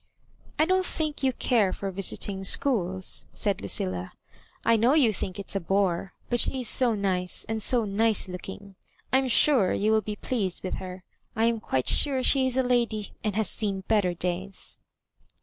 " I don't think you care for visiting schools," said Lucilla. ♦* I know you think it is a bore ; but she is so nice, and so nioe4ooking; I am sure you will be pleased with her. I am quite sure she is a lady, and has seen better days."